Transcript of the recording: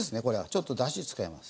ちょっと出汁使います。